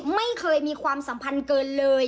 ไม่เคยมีความสัมพันธ์เกินเลย